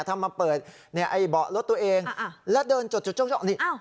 ทำมาเปิดเบาะรถตัวเองและเดินจดนี่